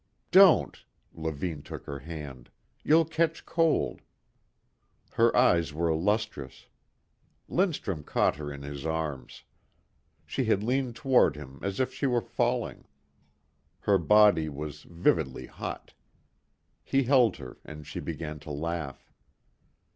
"Don't." Levine took her hand. "You'll catch cold." Her eyes were lustrous. Lindstrum caught her in his arms. She had leaned toward him as if she were falling. Her body was vividly hot. He held her and she began to laugh.